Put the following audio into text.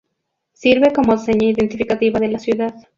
Sirve como seña identificativa de la ciudad.